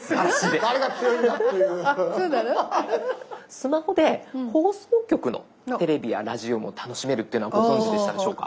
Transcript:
スマホで放送局のテレビやラジオも楽しめるってご存じでしたでしょうか？